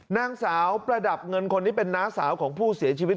นางสาวประดับเงินคนนี้เป็นน้าสาวของผู้เสียชีวิต